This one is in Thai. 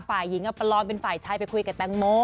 ฝ่ายหญิงปลอมแต่ฝ่ายใช้ไปคุยกับแต้งโม